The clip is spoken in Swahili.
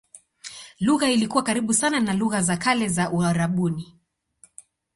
Lugha ilikuwa karibu sana na lugha za kale za Uarabuni.